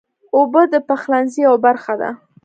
اوبه د پخلنځي یوه برخه ده.